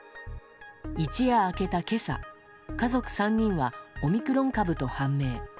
一夜明けた今朝家族３人はオミクロン株と判明。